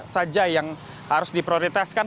saja yang harus diprioritaskan